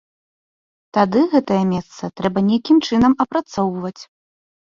Тады гэтае месца трэба нейкім чынам апрацоўваць.